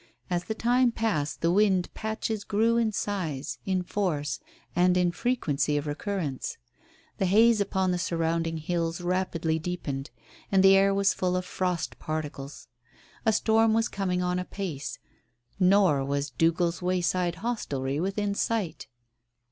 As the time passed the wind "patches" grew in size, in force, and in frequency of recurrence. The haze upon the surrounding hills rapidly deepened, and the air was full of frost particles. A storm was coming on apace. Nor was Dougal's wayside hostelry within sight.